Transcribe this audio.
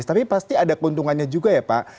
tapi pasti ada keuntungannya juga ya pak